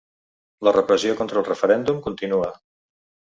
La repressió contra el referèndum continua.